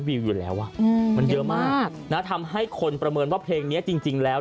วิวอยู่แล้วอ่ะมันเยอะมากนะทำให้คนประเมินว่าเพลงนี้จริงแล้ว